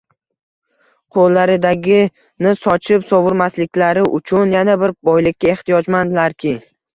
qo'llaridagini sochib-sovurmasliklari uchun yana bir boylikka extiyojmandlarki